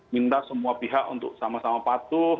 minta semua pihak untuk sama sama patuh